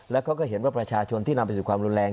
แล้วเขาก็เห็นว่าประชาชนที่นำไปสู่ความรุนแรง